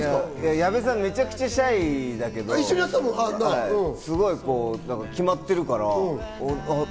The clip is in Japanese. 矢部さん、めちゃくちゃシャイだけど、決まってるからあっ！